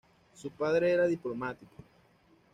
Su padre era diplomático.